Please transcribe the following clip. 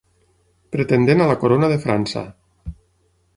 Pretendent a la corona de França.